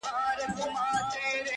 د خدای د بُتپرستو د شرابو ميکده ده!!